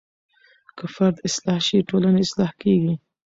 که فرد اصلاح شي ټولنه اصلاح کیږي.